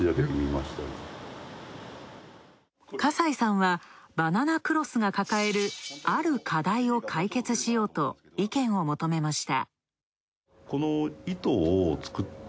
笠井さんは、バナナクロスが抱えるある課題を解決しようと意見を求めました。